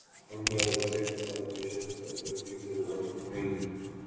ہم کاروباری افراد معیشت کی کارکردگی سے بہت مطمئن ہیں